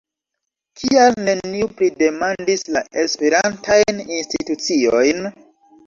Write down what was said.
Kial neniu pridemandis la esperantajn instituciojn?